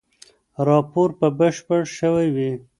راپور به بشپړ شوی وي.